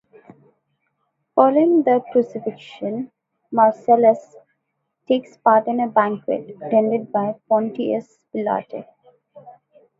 Following the crucifixion, Marcellus takes part in a banquet attended by Pontius Pilate.